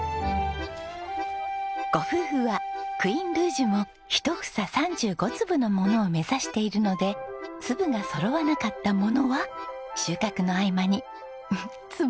ご夫婦はクイーンルージュも一房３５粒のものを目指しているので粒がそろわなかったものは収穫の合間につまみ食いしちゃいます。